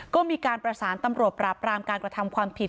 ก็มีการประสานตำรวจปราบรามการกระทำความผิด